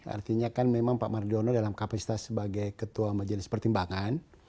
artinya kan memang pak mardiono dalam kapasitas sebagai ketua majelis pertimbangan